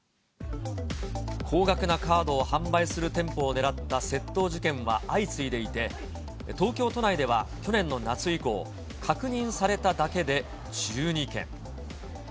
高額なカードを販売する店舗を狙った窃盗事件は相次いでいて、東京都内では去年の夏以降、確認されただけで１２件。